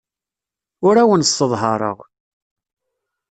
Ur awen-sseḍhareɣ.